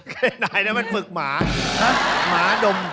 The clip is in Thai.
เคนายน่ะมันฝึกหมาหมาดม